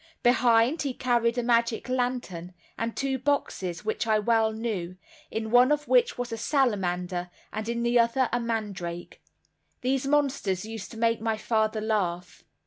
Behind, he carried a magic lantern, and two boxes, which I well knew, in one of which was a salamander, and in the other a mandrake. These monsters used to make my father laugh.